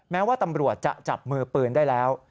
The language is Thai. แม้ว่าตำรวจจะจับมือปืนได้แล้ว